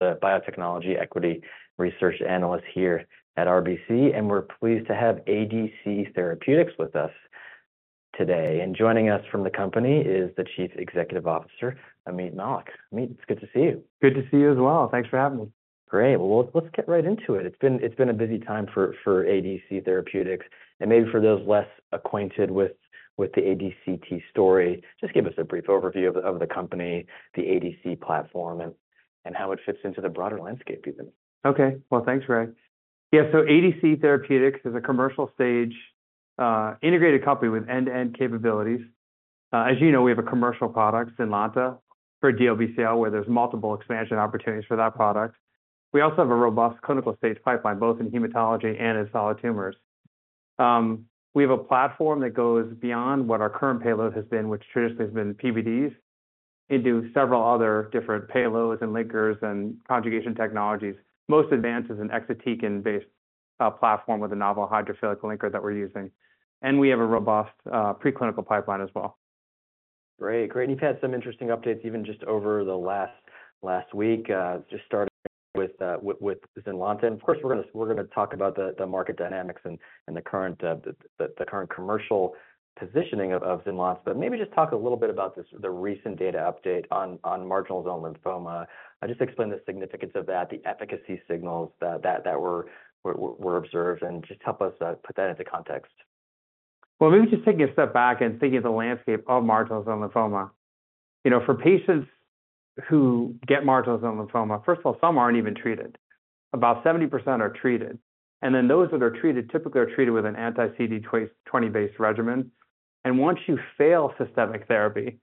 The biotechnology equity research analyst here at RBC, and we're pleased to have ADC Therapeutics with us today. Joining us from the company is the Chief Executive Officer, Ameet Mallik. Ameet, it's good to see you. Good to see you as well. Thanks for having me. Great! Well, let's get right into it. It's been a busy time for ADC Therapeutics, and maybe for those less acquainted with the ADCT story, just give us a brief overview of the company, the ADC platform, and how it fits into the broader landscape even. Okay. Well, thanks, Ray. Yeah, so ADC Therapeutics is a commercial stage, integrated company with end-to-end capabilities. As you know, we have a commercial product, ZYNLONTA, for DLBCL, where there's multiple expansion opportunities for that product. We also have a robust clinical stage pipeline, both in hematology and in solid tumors. We have a platform that goes beyond what our current payload has been, which traditionally has been PBDs, into several other different payloads and linkers and conjugation technologies. Most advanced is an exatecan-based platform with a novel hydrophilic linker that we're using, and we have a robust preclinical pipeline as well. Great, great. You've had some interesting updates even just over the last week, just starting with ZYNLONTA. Of course, we're gonna—we're gonna talk about the market dynamics and the current commercial positioning of ZYNLONTA. Maybe just talk a little bit about the recent data update on marginal zone lymphoma. Just explain the significance of that, the efficacy signals that were observed, and just help us put that into context. Well, maybe just taking a step back and thinking of the landscape of marginal zone lymphoma. You know, for patients who get marginal zone lymphoma, first of all, some aren't even treated. About 70% are treated, and then those that are treated typically are treated with an anti-CD20-based regimen. And once you fail systemic therapy,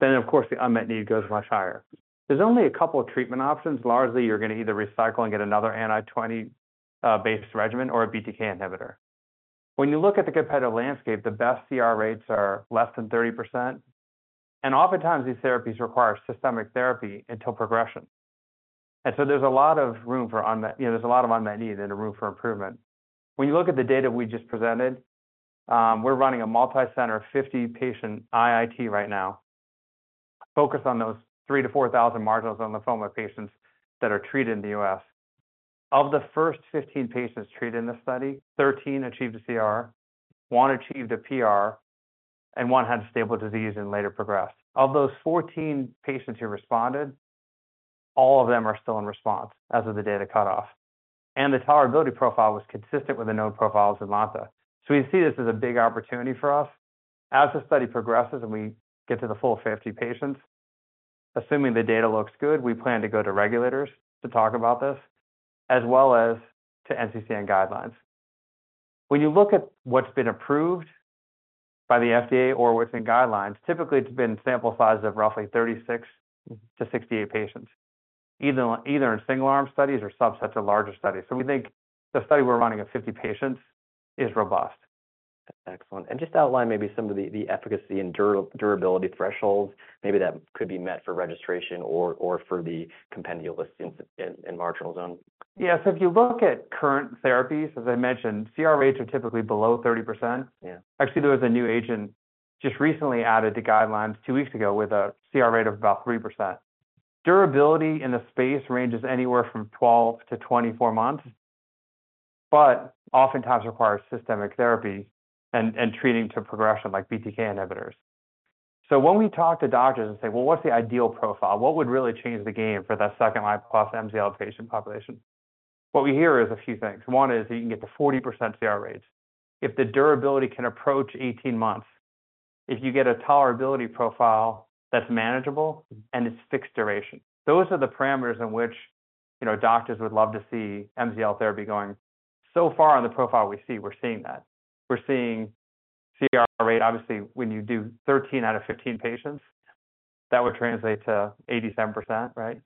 then, of course, the unmet need goes much higher. There's only a couple of treatment options. Largely, you're gonna either recycle and get another anti-CD20-based regimen or a BTK inhibitor. When you look at the competitive landscape, the best CR rates are less than 30%, and oftentimes these therapies require systemic therapy until progression. And so there's a lot of room for unmet need. You know, there's a lot of unmet need and a room for improvement. When you look at the data we just presented, we're running a multicenter 50-patient IIT right now, focused on those 3,000-4,000 marginal zone lymphoma patients that are treated in the U.S. Of the first 15 patients treated in this study, 13 achieved a CR, one achieved a PR, and one had stable disease and later progressed. Of those 14 patients who responded, all of them are still in response as of the data cutoff, and the tolerability profile was consistent with the known profile of ZYNLONTA. So we see this as a big opportunity for us. As the study progresses and we get to the full 50 patients, assuming the data looks good, we plan to go to regulators to talk about this, as well as to NCCN guidelines. When you look at what's been approved by the FDA or what's in guidelines, typically, it's been sample sizes of roughly 36-68 patients, either in single-arm studies or subsets of larger studies. So we think the study we're running of 50 patients is robust. Excellent. And just outline maybe some of the efficacy and durability thresholds, maybe that could be met for registration or for the compendial list in marginal zone. Yeah. So if you look at current therapies, as I mentioned, CR rates are typically below 30%. Yeah. Actually, there was a new agent just recently added to guidelines two weeks ago with a CR rate of about 3%. Durability in the space ranges anywhere from 12-24 months, but oftentimes requires systemic therapy and, and treating to progression like BTK inhibitors. So when we talk to doctors and say, "Well, what's the ideal profile? What would really change the game for that second-line plus MZL patient population?" What we hear is a few things. One is that you can get to 40% CR rates if the durability can approach 18 months, if you get a tolerability profile that's manageable and it's fixed duration. Those are the parameters in which, you know, doctors would love to see MZL therapy going. So far on the profile we see, we're seeing that. We're seeing CR rate, obviously, when you do 13 out of 15 patients, that would translate to 87%, right?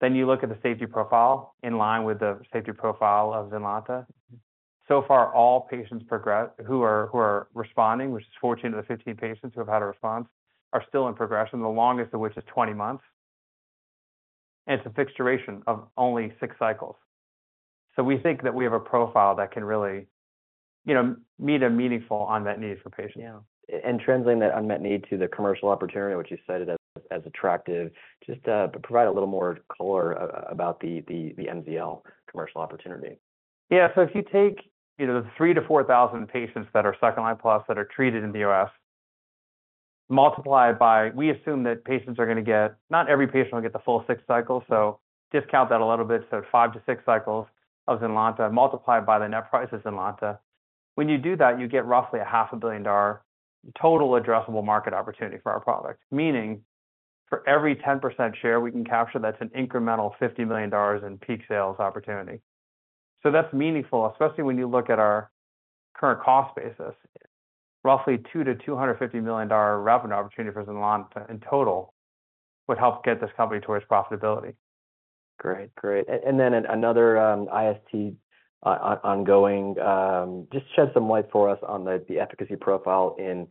Then you look at the safety profile, in line with the safety profile of ZYNLONTA. So far, all patients progress... who are, who are responding, which is 14 of the 15 patients who have had a response, are still in progression, the longest of which is 20 months, and it's a fixed duration of only six cycles. So we think that we have a profile that can really, you know, meet a meaningful unmet need for patients. Yeah, and translating that unmet need to the commercial opportunity, which you cited as attractive, just provide a little more color about the MZL commercial opportunity. Yeah. So if you take, you know, the 3,000-4,000 patients that are second-line plus that are treated in the U.S., multiply it by-- We assume that patients are gonna get... Not every patient will get the full six cycles, so discount that a little bit, so 5-6 cycles of ZYNLONTA, multiply it by the net price of ZYNLONTA. When you do that, you get roughly a $500 million total addressable market opportunity for our product, meaning for every 10% share we can capture, that's an incremental $50 million in peak sales opportunity. So that's meaningful, especially when you look at our current cost basis. Roughly $200 million-$250 million revenue opportunity for ZYNLONTA in total, would help get this company towards profitability. Great. Great. And then another IST ongoing, just shed some light for us on the efficacy profile in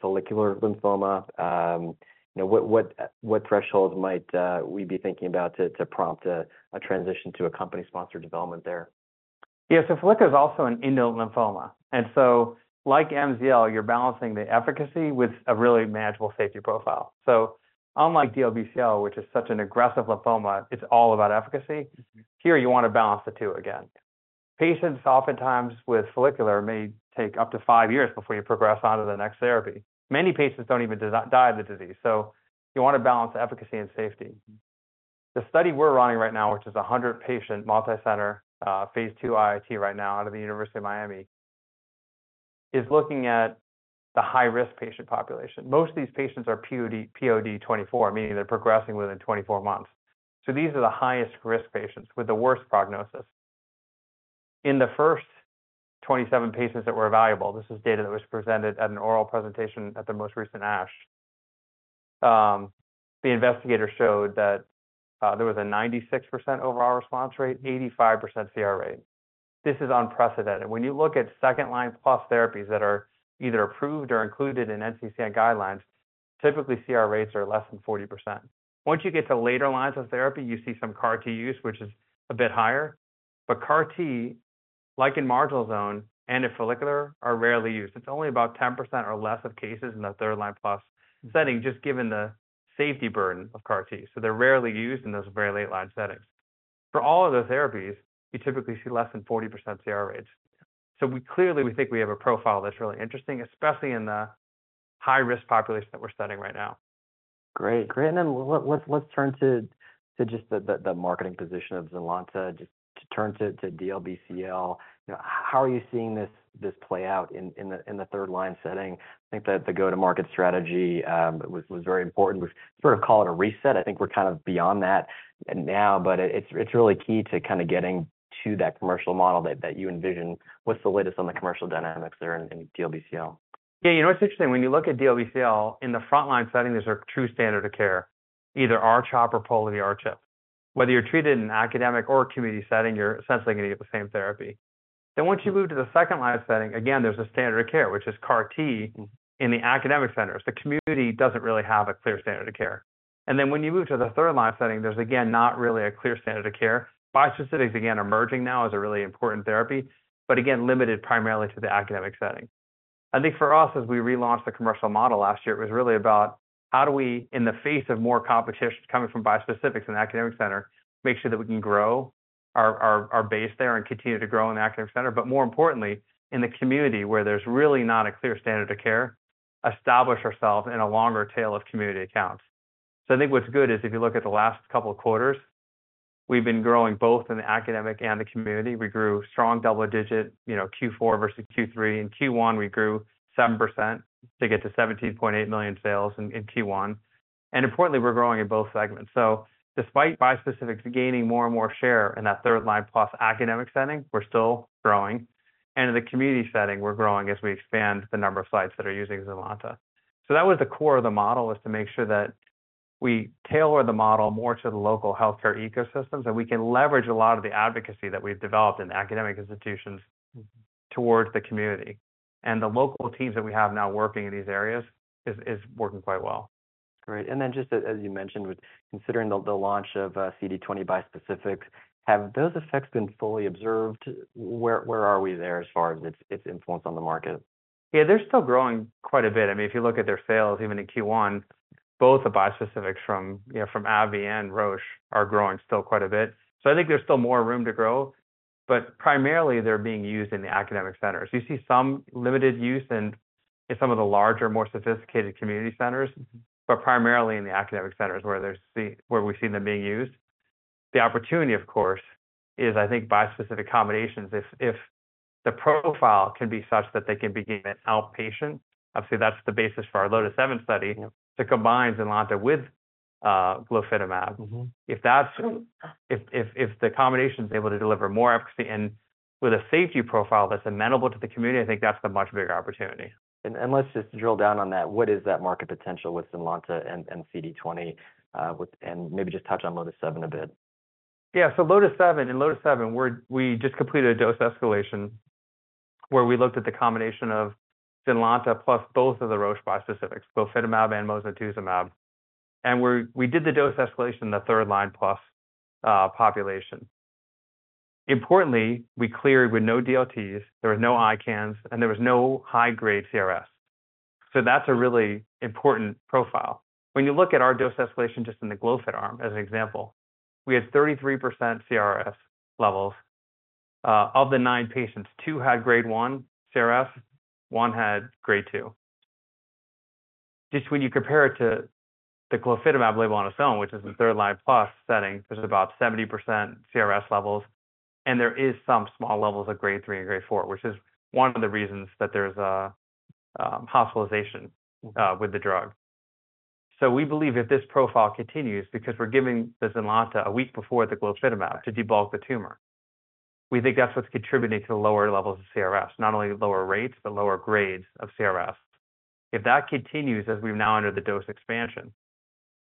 follicular lymphoma. You know, what thresholds might we be thinking about to prompt a transition to a company-sponsored development there?... Yeah, so follicular is also an indolent lymphoma, and so like MZL, you're balancing the efficacy with a really manageable safety profile. So unlike DLBCL, which is such an aggressive lymphoma, it's all about efficacy. Here, you want to balance the two again. Patients oftentimes with follicular may take up to five years before you progress onto the next therapy. Many patients don't even die of the disease, so you want to balance efficacy and safety. The study we're running right now, which is a 100-patient, multicenter, phase II IIT right now out of the University of Miami, is looking at the high-risk patient population. Most of these patients are POD24, meaning they're progressing within 24 months. So these are the highest-risk patients with the worst prognosis. In the first 27 patients that were evaluable, this is data that was presented at an oral presentation at the most recent ASH, the investigator showed that there was a 96% overall response rate, 85% CR rate. This is unprecedented. When you look at second-line plus therapies that are either approved or included in NCCN guidelines, typically CR rates are less than 40%. Once you get to later lines of therapy, you see some CAR T use, which is a bit higher. But CAR T, like in marginal zone and in follicular, are rarely used. It's only about 10% or less of cases in the third-line plus setting, just given the safety burden of CAR T. So they're rarely used in those very late-line settings. For all other therapies, you typically see less than 40% CR rates. So we clearly think we have a profile that's really interesting, especially in the high-risk population that we're studying right now. Great. Great, and then let's turn to just the marketing position of ZYNLONTA, just to turn to DLBCL. How are you seeing this play out in the third-line setting? I think that the go-to-market strategy was very important. We sort of call it a reset. I think we're kind of beyond that now, but it's really key to kind of getting to that commercial model that you envision. What's the latest on the commercial dynamics there in DLBCL? Yeah, you know, it's interesting. When you look at DLBCL, in the frontline setting, there's a true standard of care, either R-CHOP or Pola-R-CHOP. Whether you're treated in an academic or a community setting, you're essentially going to get the same therapy. Then once you move to the second-line setting, again, there's a standard of care, which is CAR T- Mm-hmm... in the academic centers. The community doesn't really have a clear standard of care. Then when you move to the third-line setting, there's again, not really a clear standard of care. Bispecifics, again, are emerging now as a really important therapy, but again, limited primarily to the academic setting. I think for us, as we relaunched the commercial model last year, it was really about how do we, in the face of more competition coming from bispecifics in the academic center, make sure that we can grow our base there and continue to grow in the academic center, but more importantly, in the community where there's really not a clear standard of care, establish ourselves in a longer tail of community accounts? So I think what's good is if you look at the last couple of quarters, we've been growing both in the academic and the community. We grew strong double-digit, you know, Q4 versus Q3. In Q1, we grew 7% to get to $17.8 million in sales in Q1. And importantly, we're growing in both segments. So despite bispecifics gaining more and more share in that third line plus academic setting, we're still growing, and in the community setting, we're growing as we expand the number of sites that are using ZYNLONTA. So that was the core of the model, was to make sure that we tailor the model more to the local healthcare ecosystems, and we can leverage a lot of the advocacy that we've developed in academic institutions- Mm-hmm... towards the community. The local teams that we have now working in these areas is working quite well. Great. And then just as you mentioned, with considering the launch of CD20 bispecifics, have those effects been fully observed? Where are we there as far as its influence on the market? Yeah, they're still growing quite a bit. I mean, if you look at their sales, even in Q1, both the bispecifics from, you know, from AbbVie and Roche are growing still quite a bit. So I think there's still more room to grow, but primarily they're being used in the academic centers. You see some limited use in some of the larger, more sophisticated community centers, but primarily in the academic centers where there's... where we've seen them being used. The opportunity, of course, is, I think, bispecific combinations. If, if the profile can be such that they can be given outpatient, obviously, that's the basis for our LOTIS-7 study- Mm-hmm... that combines ZYNLONTA with glofitamab. Mm-hmm. If the combination is able to deliver more efficacy and with a safety profile that's amenable to the community, I think that's the much bigger opportunity. Let's just drill down on that. What is that market potential with ZYNLONTA and CD20 with... Maybe just touch on LOTIS-7 a bit. Yeah, so LOTIS-7, in LOTIS-7, we just completed a dose escalation, where we looked at the combination of ZYNLONTA plus both of the Roche bispecifics, glofitamab and mosunetuzumab. We did the dose escalation in the third-line plus population. Importantly, we cleared with no DLTs, there were no ICANS, and there was no high-grade CRS. So that's a really important profile. When you look at our dose escalation, just in the glofitamab arm, as an example, we had 33% CRS levels. Of the nine patients, two had grade 1 CRS, one had grade 2. Just when you compare it to the glofitamab label on its own, which is a third-line plus setting, there's about 70% CRS levels, and there is some small levels of grade 3 and grade 4, which is one of the reasons that there's a hospitalization- Mm-hmm... with the drug. So we believe if this profile continues, because we're giving the ZYNLONTA a week before the glofitamab to debulk the tumor, we think that's what's contributing to the lower levels of CRS, not only lower rates, but lower grades of CRS. If that continues, as we've now entered the dose expansion,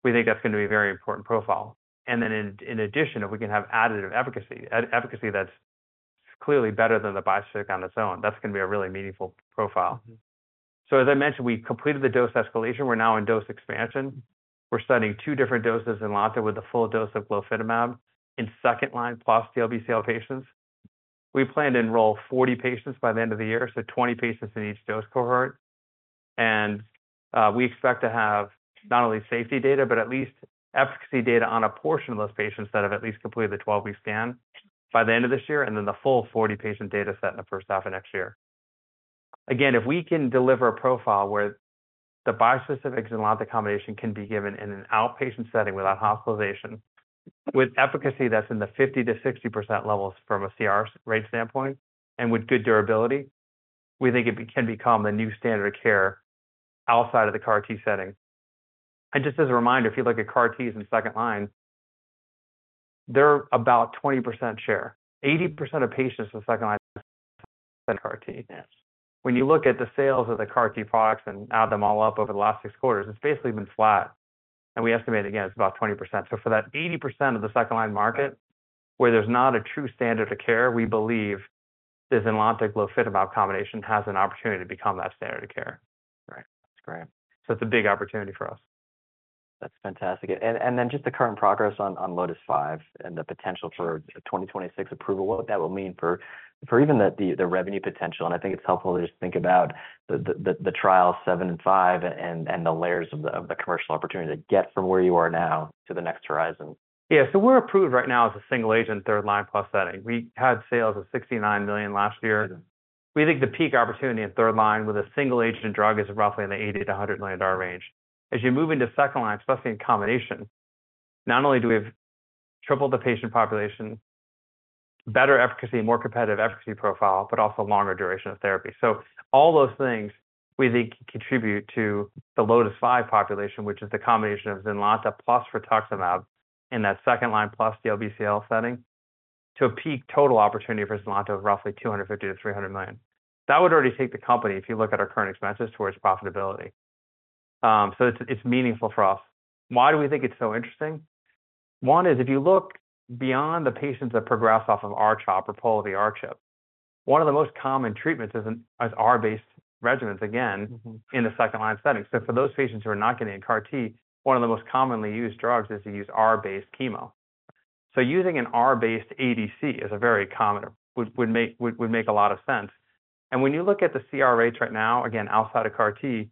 we think that's going to be a very important profile. And then in addition, if we can have additive efficacy, efficacy that's clearly better than the bispecific on its own, that's going to be a really meaningful profile. So as I mentioned, we completed the dose escalation. We're now in dose expansion. We're studying two different doses in LOTIS-7 with a full dose of glofitamab in second-line plus DLBCL patients. We plan to enroll 40 patients by the end of the year, so 20 patients in each dose cohort. And, we expect to have not only safety data, but at least efficacy data on a portion of those patients that have at least completed the 12-week scan by the end of this year, and then the full 40-patient data set in the first half of next year. Again, if we can deliver a profile where the bispecific ZYNLONTA combination can be given in an outpatient setting without hospitalization, with efficacy that's in the 50%-60% levels from a CR rate standpoint, and with good durability, we think it can become the new standard of care outside of the CAR T setting. And just as a reminder, if you look at CAR Ts in second line, they're about 20% share. Eighty percent of patients in second line, CAR T. Yes. When you look at the sales of the CAR T products and add them all up over the last six quarters, it's basically been flat, and we estimate, again, it's about 20%. So for that 80% of the second-line market, where there's not a true standard of care, we believe this ZYNLONTA/glofitamab combination has an opportunity to become that standard of care. Right. That's great. It's a big opportunity for us. That's fantastic. And then just the current progress on LOTIS-5 and the potential for a 2026 approval, what that will mean for even the revenue potential. And I think it's helpful to just think about the LOTIS-7 and LOTIS-5 and the layers of the commercial opportunity to get from where you are now to the next horizon. Yeah. So we're approved right now as a single agent, third line plus setting. We had sales of $69 million last year. Mm-hmm. We think the peak opportunity in third line with a single agent drug is roughly in the $80-$100 million range. As you move into second line, especially in combination, not only do we have triple the patient population, better efficacy, more competitive efficacy profile, but also longer duration of therapy. So all those things we think contribute to the LOTIS-5 population, which is the combination of ZYNLONTA plus rituximab in that second line plus DLBCL setting, to a peak total opportunity for ZYNLONTA of roughly $250-$300 million. That would already take the company, if you look at our current expenses, towards profitability. So it's meaningful for us. Why do we think it's so interesting? One is, if you look beyond the patients that progress off of R-CHOP or Pola-R-CHP, one of the most common treatments is R-based regimens, again. Mm-hmm... in a second-line setting. So for those patients who are not getting a CAR T, one of the most commonly used drugs is to use R-based chemo. So using an R-based ADC is a very common would make a lot of sense. And when you look at the CR rates right now, again, outside of CAR T,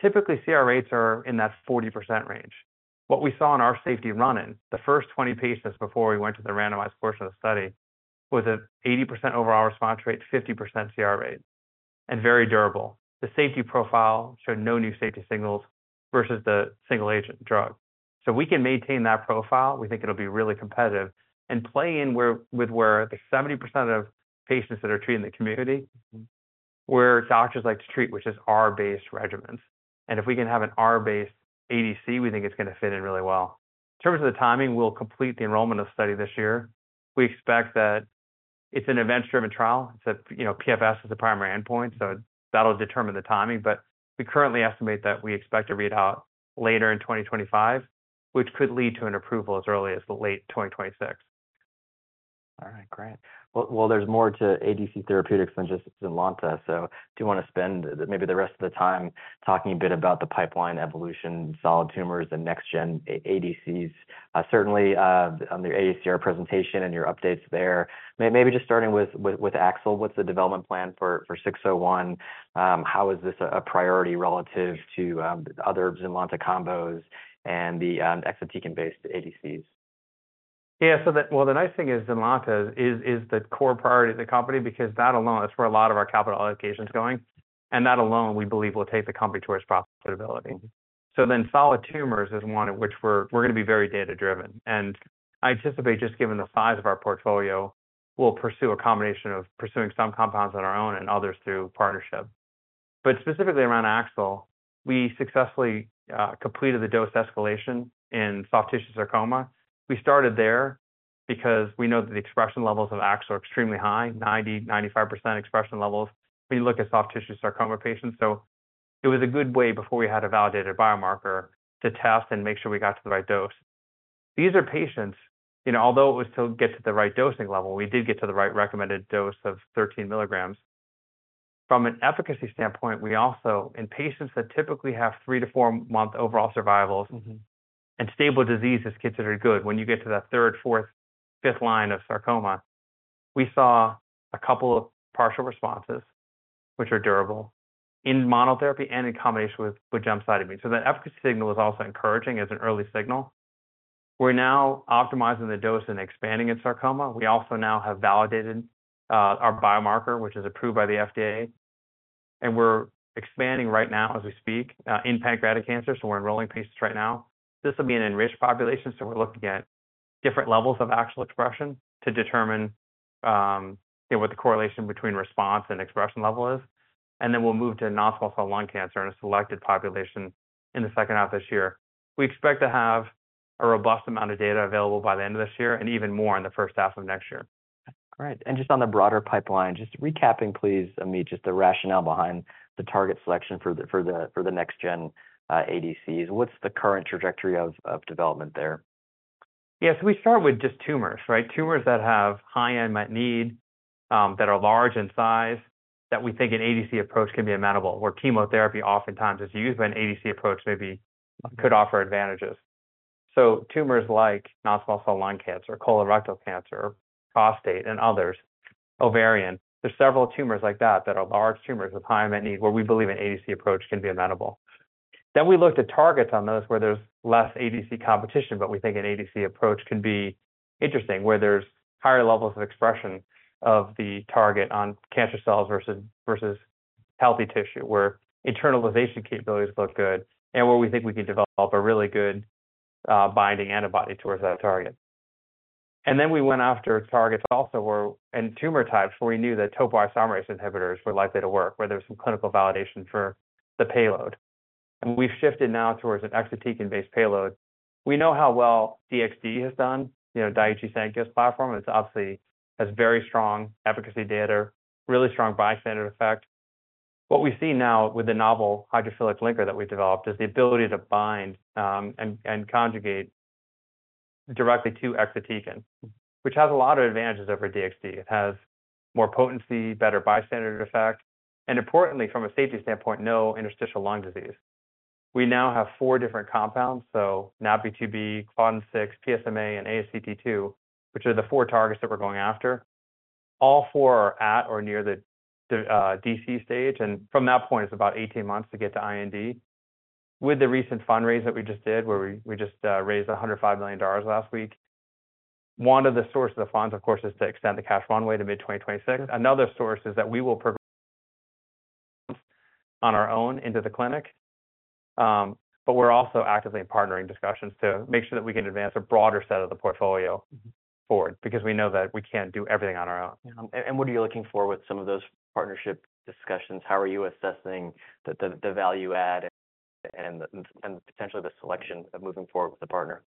typically CR rates are in that 40% range. What we saw in our safety run-in, the first 20 patients before we went to the randomized portion of the study, was an 80% overall response rate, 50% CR rate, and very durable. The safety profile showed no new safety signals versus the single agent drug. So we can maintain that profile. We think it'll be really competitive and play in where the 70% of patients that are treated in the community- Mm-hmm... where doctors like to treat, which is R-based regimens. And if we can have an R-based ADC, we think it's gonna fit in really well. In terms of the timing, we'll complete the enrollment of study this year. We expect that it's an event-driven trial. So, you know, PFS is the primary endpoint, so that'll determine the timing. But we currently estimate that we expect to read out later in 2025, which could lead to an approval as early as the late 2026. All right, great. Well, there's more to ADC Therapeutics than just ZYNLONTA, so do you want to spend maybe the rest of the time talking a bit about the pipeline evolution, solid tumors, and next gen ADCs? Certainly, on the AACR presentation and your updates there, maybe just starting with AXL, what's the development plan for 601? How is this a priority relative to other ZYNLONTA combos and the exatecan-based ADCs? Yeah. So, well, the nice thing is ZYNLONTA is the core priority of the company because that alone, that's where a lot of our capital allocation is going, and that alone, we believe, will take the company towards profitability. Mm-hmm. So then solid tumors is one in which we're, we're gonna be very data-driven. And I anticipate, just given the size of our portfolio, we'll pursue a combination of pursuing some compounds on our own and others through partnership. But specifically around AXL, we successfully completed the dose escalation in soft tissue sarcoma. We started there because we know that the expression levels of AXL are extremely high, 90%-95% expression levels, we look at soft tissue sarcoma patients. So it was a good way before we had a validated biomarker to test and make sure we got to the right dose. These are patients, you know, although it was to get to the right dosing level, we did get to the right recommended dose of 13 mg. From an efficacy standpoint, we also, in patients that typically have 3-4-month overall survivals- Mm-hmm ... and stable disease is considered good when you get to that third, fourth, fifth line of sarcoma, we saw a couple of partial responses, which are durable, in monotherapy and in combination with gemcitabine. So the efficacy signal is also encouraging as an early signal. We're now optimizing the dose and expanding in sarcoma. We also now have validated our biomarker, which is approved by the FDA, and we're expanding right now as we speak in pancreatic cancer, so we're enrolling patients right now. This will be an enriched population, so we're looking at different levels of AXL expression to determine, you know, what the correlation between response and expression level is. And then we'll move to non-small cell lung cancer in a selected population in the second half of this year. We expect to have a robust amount of data available by the end of this year, and even more in the first half of next year. Great. Just on the broader pipeline, just recapping, please, Ameet, just the rationale behind the target selection for the next gen ADCs. What's the current trajectory of development there? ...Yes, we start with just tumors, right? Tumors that have high unmet need, that are large in size, that we think an ADC approach can be amenable, where chemotherapy oftentimes is used when ADC approach maybe could offer advantages. So tumors like non-small cell lung cancer, colorectal cancer, prostate, and others, ovarian. There's several tumors like that, that are large tumors with high unmet need, where we believe an ADC approach can be amenable. Then we looked at targets on those where there's less ADC competition, but we think an ADC approach can be interesting, where there's higher levels of expression of the target on cancer cells versus healthy tissue, where internalization capabilities look good, and where we think we can develop a really good binding antibody towards that target. And then we went after targets also where and tumor types, where we knew that topoisomerase inhibitors were likely to work, where there was some clinical validation for the payload. And we've shifted now towards an exatecan-based payload. We know how well DXd has done, you know, Daiichi Sankyo's platform. It's obviously has very strong efficacy data, really strong bystander effect. What we see now with the novel hydrophilic linker that we've developed is the ability to bind and conjugate directly to exatecan, which has a lot of advantages over DXd. It has more potency, better bystander effect, and importantly, from a safety standpoint, no interstitial lung disease. We now have four different compounds, so NaPi2b, Claudin-6, PSMA, and ASCT2, which are the four targets that we're going after. All four are at or near the ADC stage, and from that point, it's about 18 months to get to IND. With the recent fundraise that we just did, where we just raised $105 million last week, one of the sources of funds, of course, is to extend the cash runway to mid-2026. Another source is that we will progress on our own into the clinic, but we're also actively in partnering discussions to make sure that we can advance a broader set of the portfolio forward because we know that we can't do everything on our own. Yeah. And what are you looking for with some of those partnership discussions? How are you assessing the value add and potentially the selection of moving forward with the partner?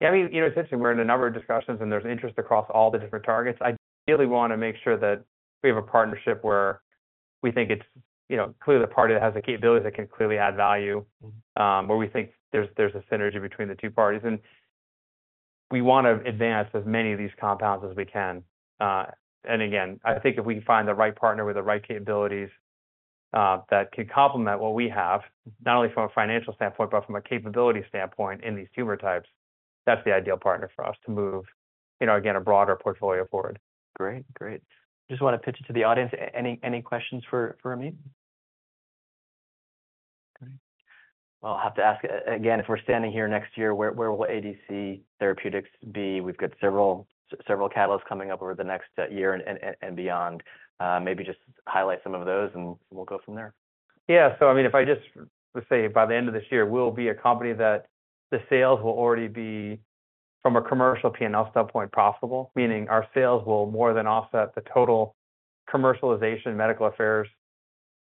Yeah, I mean, you know, since we're in a number of discussions, and there's interest across all the different targets, I really want to make sure that we have a partnership where we think it's, you know, clearly the party that has the capabilities that can clearly add value, where we think there's a synergy between the two parties. And we want to advance as many of these compounds as we can. And again, I think if we can find the right partner with the right capabilities, that can complement what we have, not only from a financial standpoint, but from a capability standpoint in these tumor types, that's the ideal partner for us to move, you know, again, a broader portfolio forward. Great. Great. Just want to pitch it to the audience. Any questions for Ameet? Okay. Well, I have to ask again, if we're standing here next year, where, where will ADC Therapeutics be? We've got several, several catalysts coming up over the next year and, and, and beyond. Maybe just highlight some of those, and we'll go from there. Yeah. So I mean, if I just say by the end of this year, we'll be a company that the sales will already be, from a commercial P&L standpoint, profitable, meaning our sales will more than offset the total commercialization, medical affairs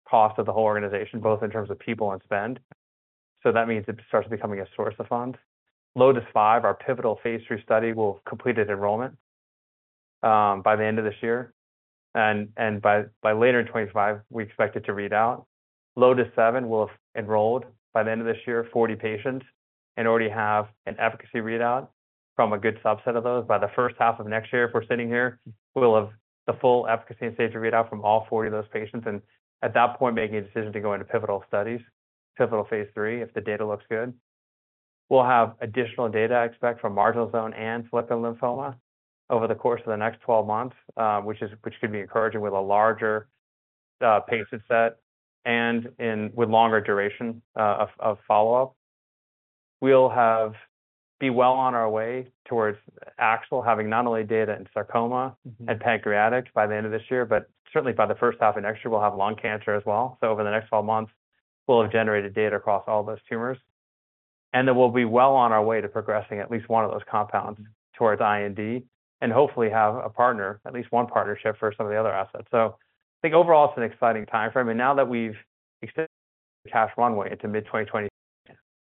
cost of the whole organization, both in terms of people and spend. So that means it starts becoming a source of funds. LOTIS-5, our pivotal phase III study, will have completed enrollment by the end of this year, and by later in 2025, we expect it to read out. LOTIS-7 will have enrolled by the end of this year, 40 patients, and already have an efficacy readout from a good subset of those. By the first half of next year, if we're sitting here, we'll have the full efficacy and safety readout from all 40 of those patients, and at that point, making a decision to go into pivotal studies, pivotal phase III, if the data looks good. We'll have additional data, I expect, from marginal zone and follicular lymphoma over the course of the next 12 months, which could be encouraging with a larger patient set and with longer duration of follow-up. We'll be well on our way towards actually having not only data in sarcoma- Mm-hmm. and pancreatic by the end of this year, but certainly by the first half of next year, we'll have lung cancer as well. So over the next 12 months, we'll have generated data across all those tumors, and then we'll be well on our way to progressing at least one of those compounds towards IND, and hopefully have a partner, at least one partnership, for some of the other assets. So I think overall, it's an exciting time frame, and now that we've extended the cash runway into mid-2020,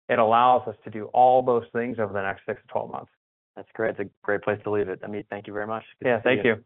it allows us to do all those things over the next 6-12 months. That's great. That's a great place to leave it. Ameet, thank you very much. Yeah, thank you.